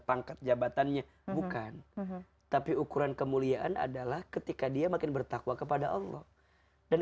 pangkat jabatannya bukan tapi ukuran kemuliaan adalah ketika dia makin bertakwa kepada allah dan